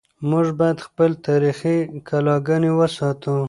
موږ باید خپلې تاریخي کلاګانې وساتو.